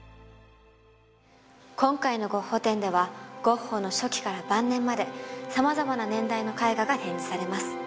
今回のゴッホ展ではゴッホの初期から晩年まで様々な年代の絵画が展示されます